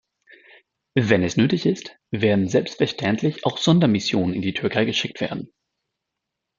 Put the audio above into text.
Wenn es nötig ist, werden selbstverständlich auch Sondermissionen in die Türkei geschickt werden.